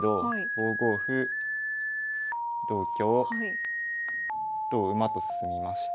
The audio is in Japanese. ５五歩同香同馬と進みまして。